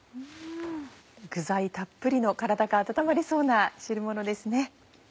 具材たっぷりの体が温まりそうな汁ものですね。